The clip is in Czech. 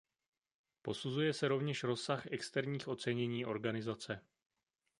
Posuzuje se rovněž rozsah externích ocenění organizace.